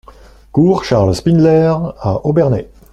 Cour Charles Spindler à Obernai